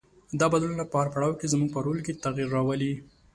دا بدلونونه په هر پړاو کې زموږ په رول کې تغیر راولي.